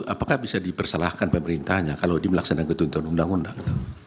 apakah bisa dipersalahkan pemerintahnya kalau dia melaksanakan tuntutan undang undang